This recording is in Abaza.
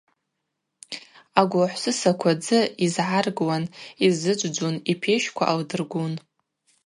Агвла хӏвсысаква дзы йызгӏаргуан, йзыджвджвун, йпещква алдыргун.